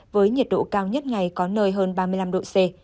với nhiệt độ cao nhất ngày có nơi hơn ba mươi năm độ c